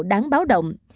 đáng báo động